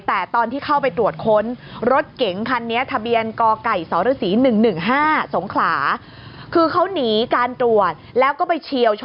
แต่ตอนที่เข้าไปตรวจค้นรถเก๋งคันนี้